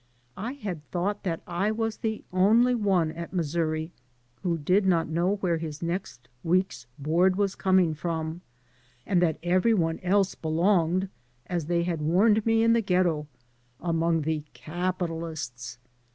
I had thought that I was the only one at Missouri who did not know where his next week's board was coming from, and that every one else belonged, as they had warned me in the Ghetto, among the capitalists.